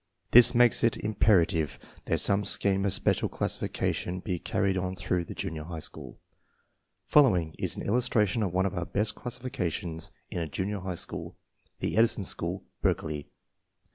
This makes it im perative that some scheme of special classification be carried on through the junior high school. Following is an illustration of one of our best classifications in a junior high school (the Edison School, Berkeley).